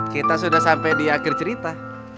kita sudah sampai di akhir cerita